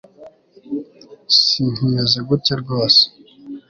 sinkimeze gutya rwose